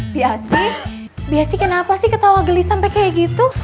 biasi biasih kenapa sih ketawa gelis sampe kayak gitu